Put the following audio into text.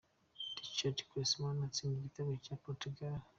Ricardo Quaresma atsinda igitego cya Portugal .